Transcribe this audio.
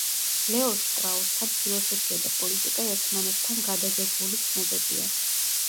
ლეო შტრაუსთან ფილოსოფია და პოლიტიკა ერთმანეთთნ გადაჯაჭვული ცნებებია.